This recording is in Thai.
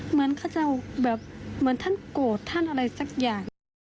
เหมือนเขาจะแบบเหมือนท่านโกรธท่านอะไรสักอย่าง